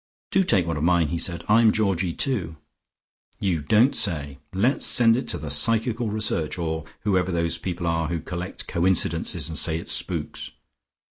"Do take one of mine," he said, "I'm Georgie too." "You don't say so! Let's send it to the Psychical Research, or whoever those people are who collect coincidences and say it's spooks.